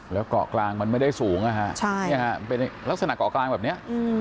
แล้วกล่อกลางมันไม่ได้สูงลักษณะกล่อกลางแบบนี้